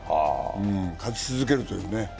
勝ち続けるというね。